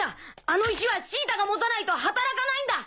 あの石はシータが持たないと働かないんだ。